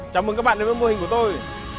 chào mừng các bạn đến với mô hình của tôi